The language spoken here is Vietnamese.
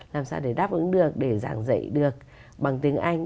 làm sao để đáp ứng được để giảng dạy được bằng tiếng anh